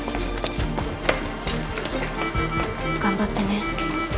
頑張ってね。